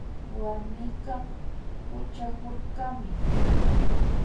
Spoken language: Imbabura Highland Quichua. Warmika puchakurkami